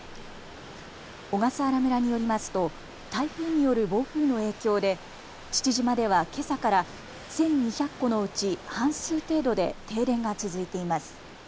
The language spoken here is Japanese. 小笠原村によりますと台風による暴風の影響で父島ではけさから１２００戸のうち半数程度で停電が続いています。